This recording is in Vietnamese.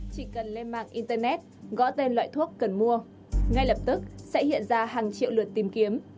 chỉ cần lên mạng internet gõ tên loại thuốc cần mua ngay lập tức sẽ hiện ra hàng triệu lượt tìm kiếm